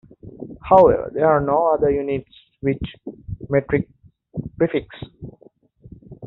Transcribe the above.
However, there are no other units with metric prefixes.